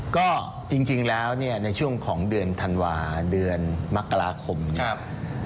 ก็จริงแล้วเนี่ยในช่วงของเดือนธันวาเดือนมกราคมเนี่ย